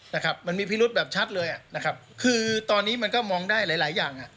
นะครับมันมีพิรุษแบบชัดเลยอ่ะนะครับคือตอนนี้มันก็มองได้หลายหลายอย่างอ่ะ